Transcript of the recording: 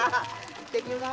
行ってきます。